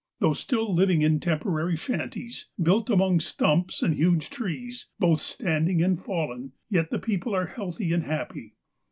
Though still living in temporary shanties, built among stumps and huge trees, both standing and fallen, yet the people are healthy and happy.